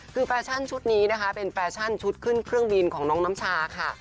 คือแฟชั่นชุดนี้นะคะเป็นแฟชั่นชุดขึ้นเครื่องบินของน้องน้ำชาค่ะ